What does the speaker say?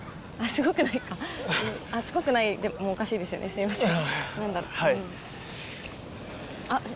すいません。